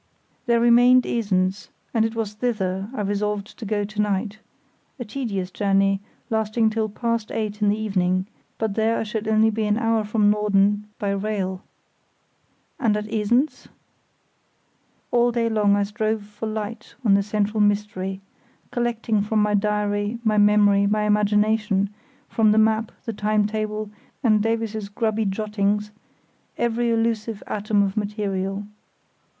There remained Esens, and it was thither I resolved to go to night—a tedious journey, lasting till past eight in the evening; but there I should only be an hour from Norden by rail. And at Esens? All day long I strove for light on the central mystery, collecting from my diary, my memory, my imagination, from the map, the time table, and Davies's grubby jottings, every elusive atom of material.